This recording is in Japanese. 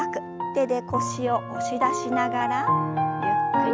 手で腰を押し出しながらゆっくりと後ろ。